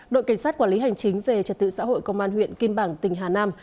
đội cảnh sát quản lý hành chính về trật tự xã hội công an huyện kim bảng tỉnh hà nam